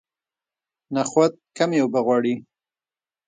نخود کمې اوبه غواړي.